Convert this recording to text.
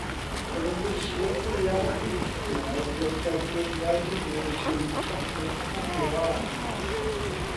Yr ynyswyr mwyaf effeithiol ydy'r defnyddiau hynny sy'n trapio pocedi o aer.